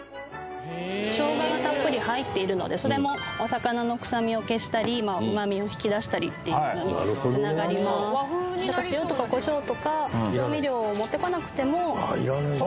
生姜がたっぷり入っているのでそれもお魚の臭みを消したり旨味を引き出したりっていうのにもつながりますだから塩とかコショウとか調味料を持ってこなくてもああいらないんだ